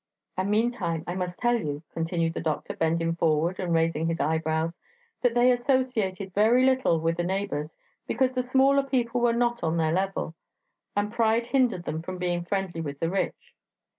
And meanwhile I must tell you," continued the doctor, bending forward and raising his eyebrows, "that they associated very little with the neighbours, because the smaller people were not on their level, and pride hindered them from being friendly with the rich.